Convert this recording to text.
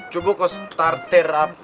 coba ke starter apa